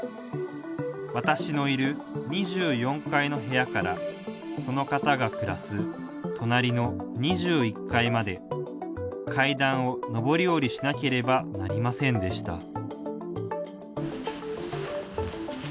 私のいる２４階の部屋からその方が暮らす隣の２１階まで階段を上り下りしなければなりませんでした